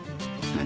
何？